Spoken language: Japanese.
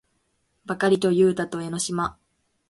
ばかりとゆうたと江の島